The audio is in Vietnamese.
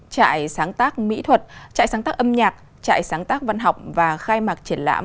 trại sáng tác mỹ thuật trại sáng tác âm nhạc trại sáng tác văn học và khai mạc triển lãm